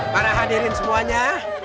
para hadirin semuanya